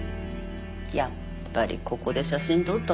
やっぱりここで写真撮ったのかな？